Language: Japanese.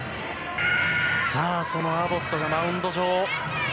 さあ、そのアボットがマウンド上。